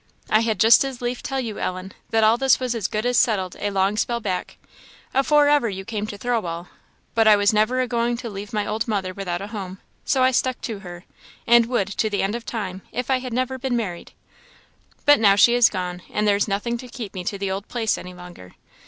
I had just as lief tell you, Ellen, that all this was as good as settled a long spell back afore ever you came to Thirlwall; but I was never a going to leave my old mother without a home, so I stuck to her, and would, to the end of time, if I had never been married. But now she is gone, and there is nothing to keep me to the old place any longer.